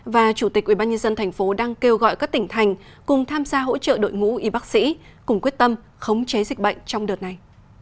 và chủ tịch ubnd tp đang kêu gọi các tỉnh thành cùng tham gia hỗ trợ đội ngũ y bác sĩ cùng quyết tâm khống chế dịch bệnh trong đợt này